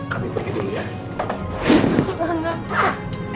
kami pergi dulu ya